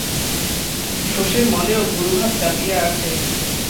শশীর মনেও গুরুভার চাপিয়া আছে।